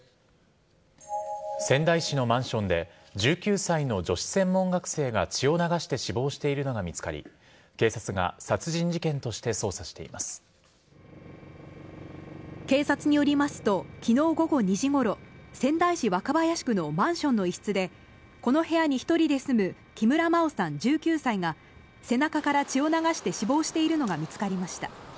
仙台市のマンションで１９歳の女子専門学生が血を流して死亡しているのが見つかり警察が警察によりますと昨日午後２時ごろ仙台市若林区のマンションの一室でこの部屋に１人で住む木村真緒さん、１９歳が背中から血を流して死亡しているのが見つかりました。